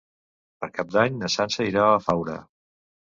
Per Cap d'Any na Sança irà a Faura.